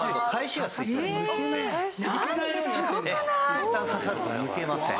いったん刺さると抜けません。